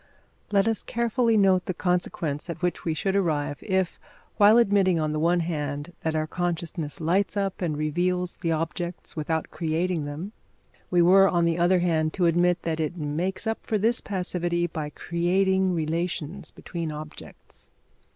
Let us carefully note the consequence at which we should arrive, if, while admitting, on the one hand, that our consciousness lights up and reveals the objects without creating them, we were, on the other hand, to admit that it makes up for this passivity by creating relations between objects.